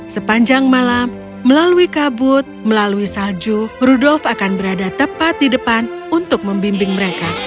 sepanjang malam melalui kabut melalui salju rudolf akan berada tepat di depan untuk membimbing mereka